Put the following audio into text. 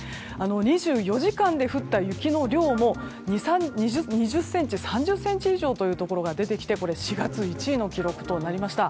２４時間で降った雪の量も２０ｃｍ、３０ｃｍ以上というところが出てきて４月１位の記録となりました。